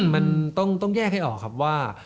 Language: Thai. มันต้องแยกให้ออกครับว่า